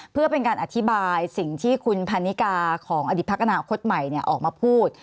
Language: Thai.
เพื่อเป็นการอธิบายสิ่งที่คุณพันนิกาของอดีตพักอนาคตใหม่ออกมาพูด